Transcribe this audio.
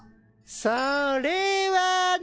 それはね。